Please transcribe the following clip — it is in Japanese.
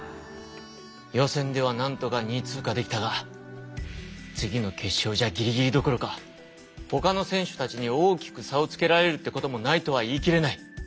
予選ではなんとか２位通過できたが次の決勝じゃギリギリどころかほかの選手たちに大きく差をつけられるってこともないとは言い切れない。